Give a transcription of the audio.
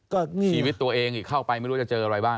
ก็มีชีวิตตัวเองอีกเข้าไปไม่รู้จะเจออะไรบ้าง